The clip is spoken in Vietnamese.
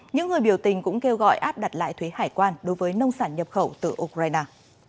những người biểu tình cũng kêu gọi áp đặt lại thuế hải quan đối với nông sản nhập khẩu từ ukraine